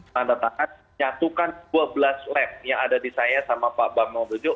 tandatangan nyatukan dua belas lab yang ada di saya sama pak bambang brojo